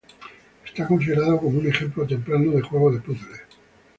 Es considerado como un ejemplo temprano de juego de puzle.